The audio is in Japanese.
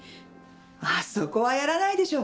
あそこはやらないでしょう。